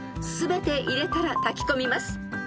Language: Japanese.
［全て入れたら炊き込みます］